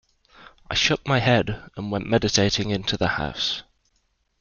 I shook my head, and went meditating into the house.